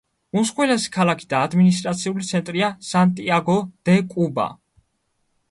უმსხვილესი ქალაქი და ადმინისტრაციული ცენტრია სანტიაგო-დე-კუბა.